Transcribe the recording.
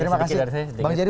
terima kasih bang jerry